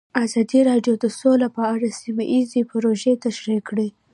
ازادي راډیو د سوله په اړه سیمه ییزې پروژې تشریح کړې.